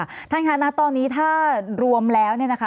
อ๋อค่ะท่านอาณาตรอนี้ถ้ารวมแล้ว